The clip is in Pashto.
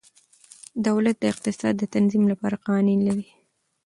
دولت د اقتصاد د تنظیم لپاره قوانین لري.